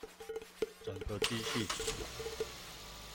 整個機器